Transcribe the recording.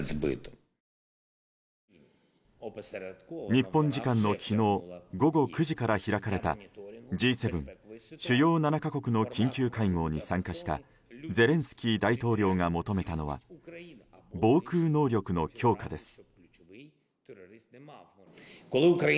日本時間の昨日午後９時から開かれたＧ７・主要７か国の緊急会合に参加したゼレンスキー大統領が求めたのは防空能力の強化です。